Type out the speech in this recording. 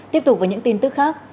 tiếp tục với những tin tức khác